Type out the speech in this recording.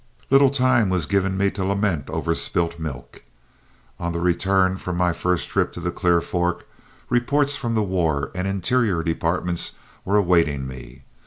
Little time was given me to lament over spilt milk. On the return from my first trip to the Clear Fork, reports from the War and Interior departments were awaiting me.